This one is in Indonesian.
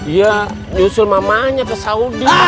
ya nyusul mamanya ke saudi